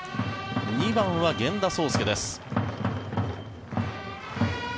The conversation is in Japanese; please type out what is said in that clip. ２番は源田壮亮です。